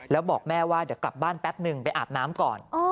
แล้วบอกแม่ว่าเดี๋ยวกลับบ้านแป๊บนึงไปอาบน้ำก่อน